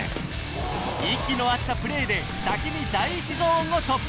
息の合ったプレーで先に第１ゾーンを突破！